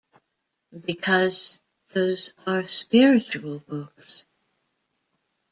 Because those are spiritual books.